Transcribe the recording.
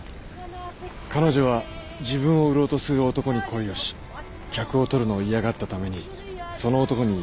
彼女は自分を売ろうとする男に恋をし客を取るのを嫌がったためにその男に殺されてしまうんだよ。